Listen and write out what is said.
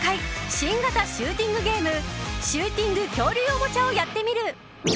新型シューティングゲームシューティング恐竜おもちゃをやってみる。